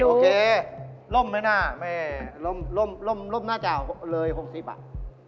โอเคร่มไหมหน้าร่มหน้าจ่าวเลย๖๐บาท